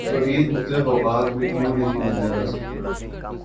تو عید مختلف اوقات میں کیوں نہیں منائی جا سکتی؟